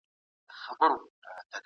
دا ستونزې د حل کيدو وړ دي.